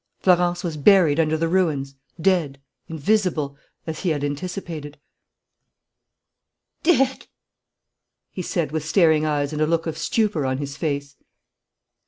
Florence was buried under the ruins, dead, invisible, as he had anticipated. "Dead!" he said, with staring eyes and a look of stupor on his face.